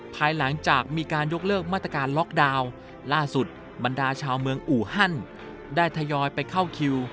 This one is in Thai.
ภายหลังจากมีการยกเลิกมาตรการล็อกดาวน์ล่าสุดบรรดาชาวเมืองอูฮันได้ทยอยไปเข้าคิว